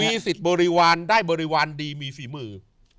สิทธิ์บริวารได้บริวารดีมีฝีมือ